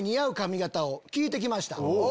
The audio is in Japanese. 聞いて来ました。